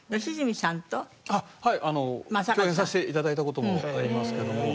はい共演させて頂いた事もありますけれども。